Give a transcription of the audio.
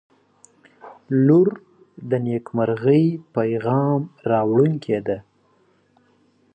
• لور د نیکمرغۍ پیغام راوړونکې ده.